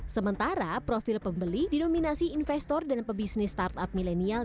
sementara profil pembeli dinominasi investor dan pebisnis startup milenial